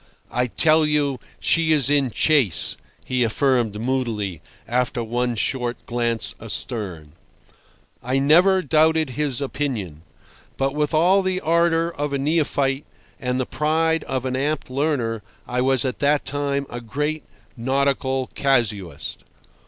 "I tell you she is in chase," he affirmed moodily, after one short glance astern. I never doubted his opinion. But with all the ardour of a neophyte and the pride of an apt learner I was at that time a great nautical casuist.